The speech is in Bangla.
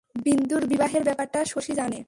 বিন্দুর বিবাহের ব্যাপারটা শশী জানে।